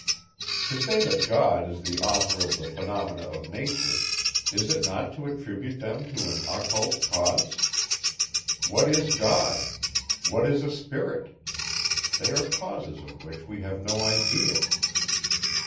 To say, that God is the author of the phenomena of nature, is it not to attribute them to an occult cause? What is God? What is a spirit? They are causes of which we have no idea.